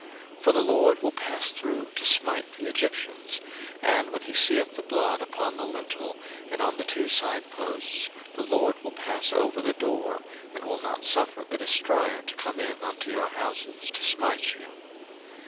02:012:023 For the LORD will pass through to smite the Egyptians; and when he seeth the blood upon the lintel, and on the two side posts, the LORD will pass over the door, and will not suffer the destroyer to come in unto your houses to smite you.